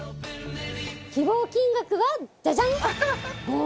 希望金額はジャジャン！